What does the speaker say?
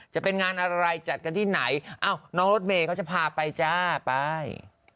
จะเป็นงานอะไรจัดกันที่ไหนอ้าวน้องรถเมย์เขาจะพาไปจ้าไป